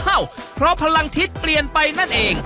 เพราะพลังทิศเปลี่ยนไปนั่นเอง